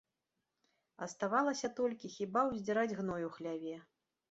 Аставалася толькі хіба ўздзіраць гной у хляве.